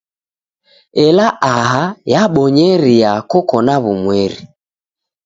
Ela aha, yabonyeria koko na w'umweri.